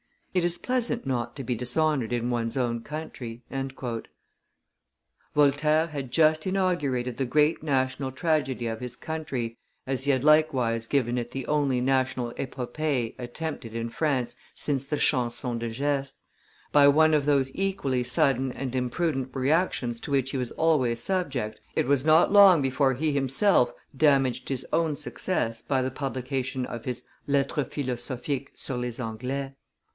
It is pleasant not to be dishonored in one's own country." Voltaire had just inaugurated the great national tragedy of his country, as he had likewise given it the only national epopee attempted in France since the Chansons de Geste; by one of those equally sudden and imprudent reactions to which he was always subject, it was not long before he himself damaged his own success by the publication of his Lettres philosophiques sur les Anglais.